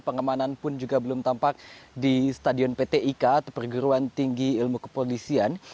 pengamanan pun juga belum tampak di stadion pt ika atau perguruan tinggi ilmu kepolisian